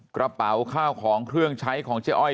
กระเป๋าข้าวของเครื่องใช้ของเจ๊อ้อย